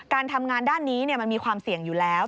การทำงานด้านนี้มันมีความเสี่ยงอยู่แล้ว